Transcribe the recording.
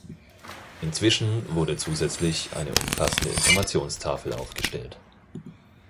Inzwischen wurde zusätzlich eine umfassende Informationstafel aufgestellt.